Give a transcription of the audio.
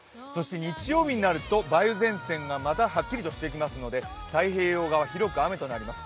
日曜日になると梅雨前線がまたはっきりとしてきますので太平洋側、広く雨となります。